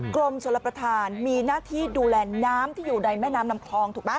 กรมชลประธานมีหน้าที่ดูแลน้ำที่อยู่ในแม่น้ำลำคลองถูกไหม